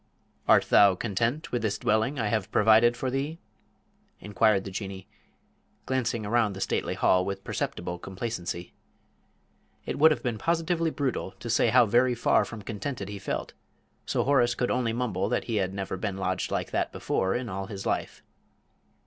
"Art thou content with this dwelling I have provided for thee?" inquired the Jinnee, glancing around the stately hall with perceptible complacency. It would have been positively brutal to say how very far from contented he felt, so Horace could only mumble that he had never been lodged like that before in all his life.